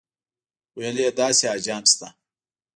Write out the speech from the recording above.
ویل یې داسې حاجیان شته.